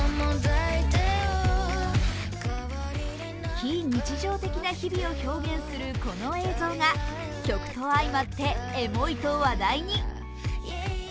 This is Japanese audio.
非日常的な日々を表現するこの映像が曲と相まってエモいと話題に。